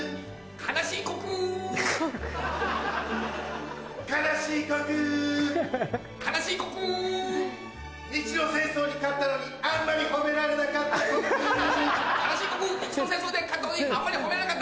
悲しい刻日露戦争で勝ったのにあんまり褒められなかった刻。